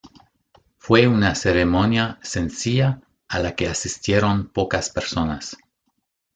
Fue una ceremonia sencilla a la que asistieron pocas personas.